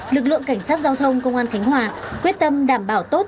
lực lượng cảnh sát giao thông công an khánh hòa quyết tâm đảm bảo tốt